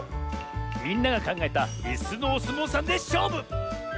みんながかんがえたいすのおすもうさんでしょうぶ！